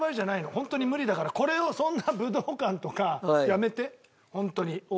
ホントに無理だからこれをそんな武道館とかやめてホントに。